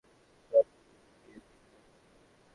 জন্ম, মৃত্যু, বিয়ে— তিন বিধাতা নিয়ে।